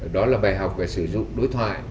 đó là bài học về sử dụng đối thoại